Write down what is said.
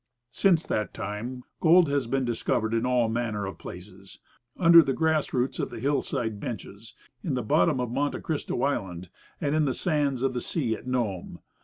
Since that time gold has been discovered in all manner of places, under the grass roots of the hill side benches, in the bottom of Monte Cristo Island, and in the sands of the sea at Nome.